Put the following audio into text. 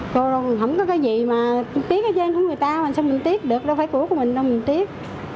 cô đâu có cái gì mà tiếc ở trên của người ta sao mình tiếc được đâu phải của mình đâu mình tiếc